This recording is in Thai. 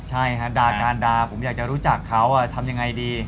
ใช่ฮะด่าการด่าผมอยากจะรู้จักเขาทำยังไงดี